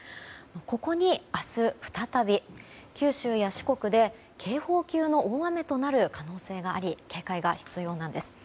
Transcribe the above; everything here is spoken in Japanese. ここに明日、再び九州や四国で警報級の大雨となる可能性があり警戒が必要なんです。